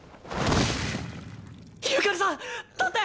ユカリさん立って！